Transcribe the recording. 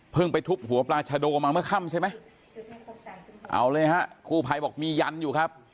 ไปทุบหัวปลาชาโดมาเมื่อค่ำใช่ไหมเอาเลยฮะกู้ภัยบอกมียันอยู่ครับ